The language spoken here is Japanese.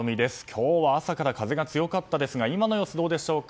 今日は朝から風が強かったですが今の様子どうでしょうか。